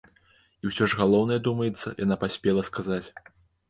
І ўсё ж галоўнае, думаецца, яна паспела сказаць.